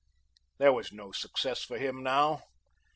There was no success for him now.